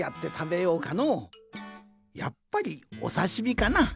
やっぱりおさしみかな。